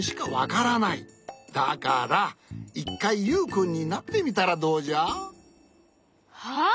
だから１かいユウくんになってみたらどうじゃ？は？